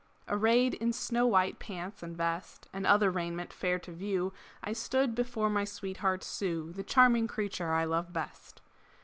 Arrayed in snow white pants and vest, And other raiment fair to view, I stood before my sweetheart Sue The charming creature I love best.